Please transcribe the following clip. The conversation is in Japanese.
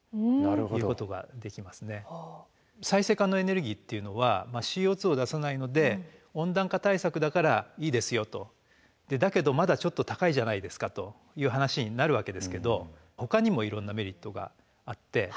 再生可能エネルギーっていうのはＣＯを出さないので温暖化対策だからいいですよとだけどまだちょっと高いじゃないですかという話になるわけですけどほかにもいろんなメリットがあって。